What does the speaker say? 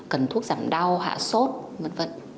cần thuốc giảm đau hạ sốt v v